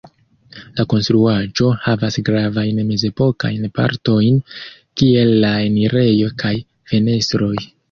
La konstruaĵo havas gravajn mezepokajn partojn, kiel la enirejo kaj fenestroj.